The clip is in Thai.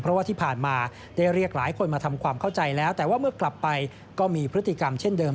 เพราะว่าที่ผ่านมาได้เรียกหลายคนมาทำความเข้าใจแล้วแต่ว่าเมื่อกลับไปก็มีพฤติกรรมเช่นเดิม